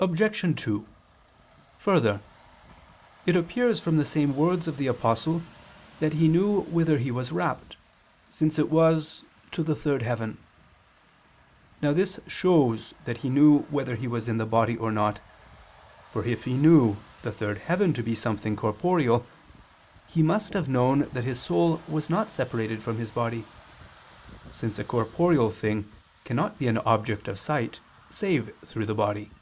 Obj. 2: Further, it appears from the same words of the Apostle that he knew whither he was rapt, since it was "to the third heaven." Now this shows that he knew whether he was in the body or not, for if he knew the third heaven to be something corporeal, he must have known that his soul was not separated from his body, since a corporeal thing cannot be an object of sight save through the body.